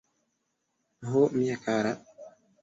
Ho, mia kara!